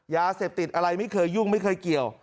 ยาเสพติดอะไรไม่เคยยุ่งไม่เคยเกี่ยว